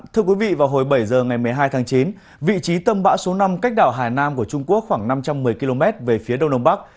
thưa quý vị vào hồi bảy giờ ngày một mươi hai tháng chín vị trí tâm bão số năm cách đảo hải nam của trung quốc khoảng năm trăm một mươi km về phía đông đông bắc